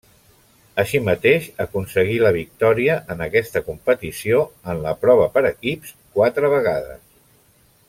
Així mateix aconseguí la victòria en aquesta competició en la prova per equips quatre vegades.